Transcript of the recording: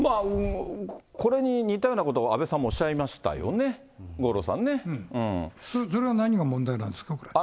これに似たようなことは安倍さんもおっしゃいましたよね、五それは何が問題なんですか。